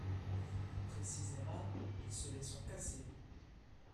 Précisément, ils se les sont cassées